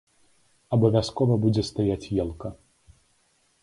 Абавязкова будзе стаяць елка!